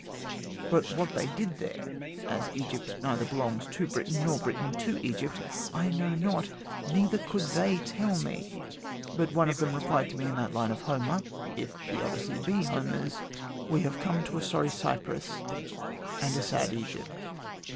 But what they did there (as Egypt neither belongs to Britain nor Britain to Egypt) I know not, neither could they tell me. But one of them replied to me in that line of Homer (if the Odyssey be Homer's), 'We have come to a sorry Cyprus, and a sad Egypt.'